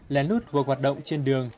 lén nút cuộc hoạt động trên đường